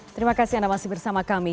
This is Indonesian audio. terima kasih anda masih bersama kami